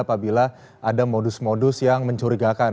apabila ada modus modus yang mencurigakan